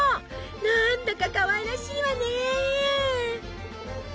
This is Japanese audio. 何だかかわいらしいわね。